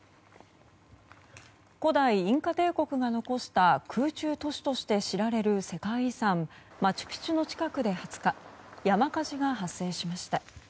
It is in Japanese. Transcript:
古代インカ帝国が残した空中都市として知られる世界遺産マチュピチュの近くで２０日山火事が発生しました。